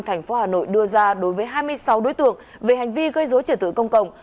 thành phố hà nội đưa ra đối với hai mươi sáu đối tượng về hành vi gây dối trật tự công cộng